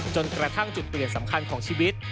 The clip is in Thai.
จนกระทั่งจุดเปลี่ยนสำคัญของชีวิต